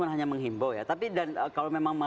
hanya menghimbau ya tapi dan kalau memang